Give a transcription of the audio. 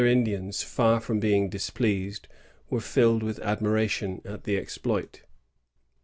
Indians, far from being displeased, were filled with admiration at the exploit.